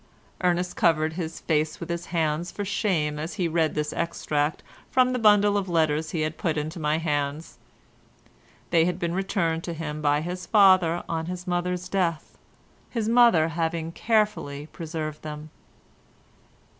Ernest covered his face with his hands for shame as he read this extract from the bundle of letters he had put into my hands—they had been returned to him by his father on his mother's death, his mother having carefully preserved them.